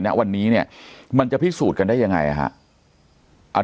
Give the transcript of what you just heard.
ณวันนี้เนี่ยมันจะพิสูจน์กันได้ยังไงฮะ